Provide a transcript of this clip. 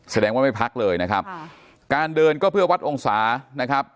แสดงว่าไม่พักเลยนะครับการเดินก็เพื่อวัดองศานะครับ